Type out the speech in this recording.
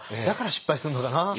だから失敗するのかな。